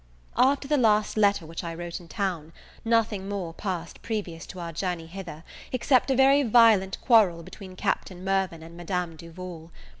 After the last letter which I wrote in town, nothing more passed previous to our journey hither, except a very violent quarrel between Captain Mirvan and Madame Duval.